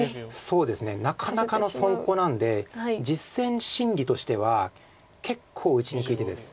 そうですねなかなかの損コウなんで実戦心理としては結構打ちにくい手です。